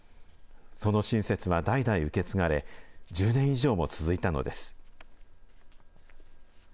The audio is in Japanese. その親切は代々受け継がれ、１０年以上も続いたのです。